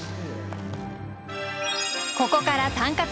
ここからタンカツ！